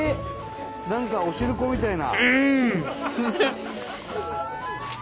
何かお汁粉みたいな。